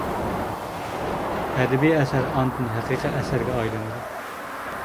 ئەدەبىي ئەسەر ئاندىن ھەقىقىي ئەسەرگە ئايلىنىدۇ.